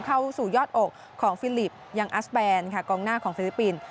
เข้าสู่ยอดอกของฟิลิปยังอัสแบนค่ะกองหน้าของฟิลิปปินส์